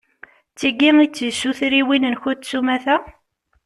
D tigi i d tisutriwin-nkent s umata?